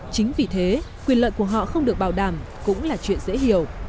chính vì thế quyền lợi của họ không được bảo đảm cũng là chuyện dễ hiểu